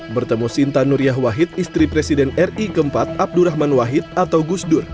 bertemu sinta nuriyah wahid istri presiden ri keempat abdurrahman wahid atau gusdur